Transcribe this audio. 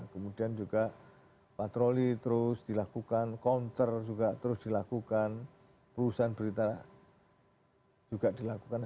kemudian juga patroli terus dilakukan counter juga terus dilakukan perusahaan berita juga dilakukan